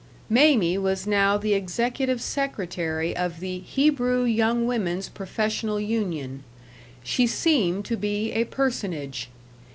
Mamie was now the executive secretary of the Hebrew Young Women's Professional Union. She seemed to be a personage.